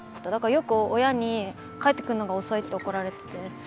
だからよく親に帰ってくるのが遅いって怒られてて。